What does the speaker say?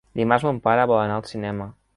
Dimarts mon pare vol anar al cinema.